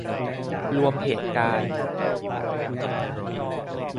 รวมเหตุการณ์